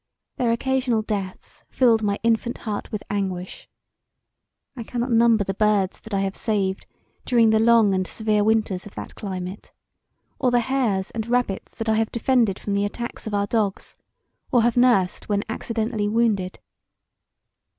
Their occasional deaths filled my infant heart with anguish. I cannot number the birds that I have saved during the long and severe winters of that climate; or the hares and rabbits that I have defended from the attacks of our dogs, or have nursed when accidentally wounded.